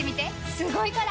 すごいから！